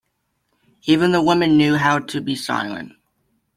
Even the women knew how to be silent.